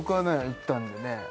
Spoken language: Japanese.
行ったんでね